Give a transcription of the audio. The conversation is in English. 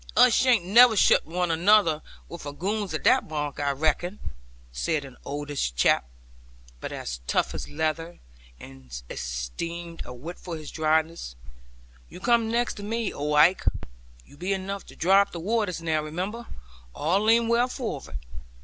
'Us shan't never shutt one anoother, wi' our goons at that mark, I reckon,' said an oldish chap, but as tough as leather, and esteemed a wit for his dryness. 'You come next to me, old Ike; you be enough to dry up the waters; now, remember, all lean well forward.